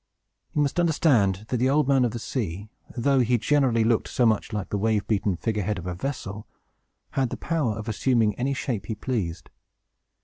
You must understand that the Old Man of the Sea, though he generally looked so much like the wave beaten figure head of a vessel, had the power of assuming any shape he pleased.